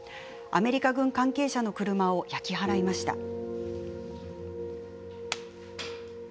アメリカ軍関係者の車を焼き払いました。